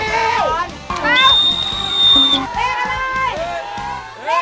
แล้วเล่นกันเลย